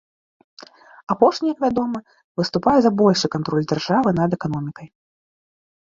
Апошні, як вядома, выступае за большы кантроль дзяржавы над эканомікай.